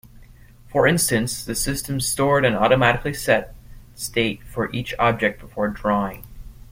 For instance, the system stored and automatically set state for every object before drawing.